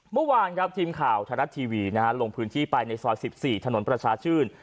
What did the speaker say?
เมื่อวานครับทีมข่าวไทยรัฐทีวีลงพื้นที่ไปในซอย๑๔ถนนประชาชื่น